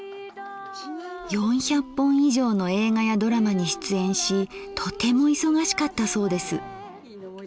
４００本以上の映画やドラマに出演しとても忙しかったそうです。